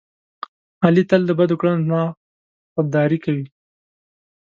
علي تل له بدو کړنو نه خوداري کوي.